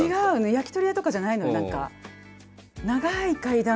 焼き鳥屋とかじゃないのよ何か。